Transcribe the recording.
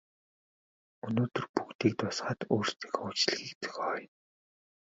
Өнөөдөр бүгдийг дуусгаад өөрсдийнхөө үдэшлэгийг зохиоё.